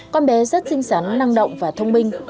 con bé rất xinh xắn năng động và thông minh